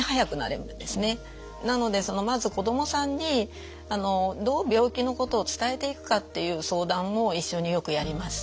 なのでそのまず子どもさんにどう病気のことを伝えていくかっていう相談を一緒によくやります。